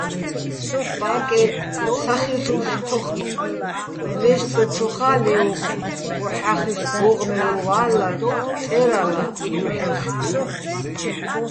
ბა́კე სახილუშ თოჴ ლე́სტდოჩოხა́ ლე́ოხ მოჰ̦ახიშ ბო́ღმელო ვა́ლლარ წე́რალა ჲუჰ̦ეხ.